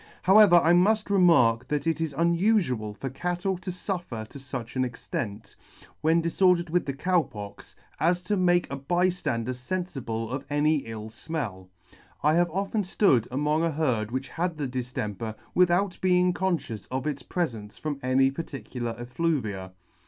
However, I muft remark, that it is' unufual t 86 ] unufual for cattle to fufter to fueh an extent, when difordercd with the Cow Pox, as to make a by hander fenfible of any ill fmcll. I have often hood among a herd which had the dihemper without being confcious of its prefence from any particular effluvia.